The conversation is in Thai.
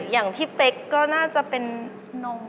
อย่างพี่เป๊กก็น่าจะเป็นนม